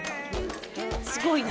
すごいな。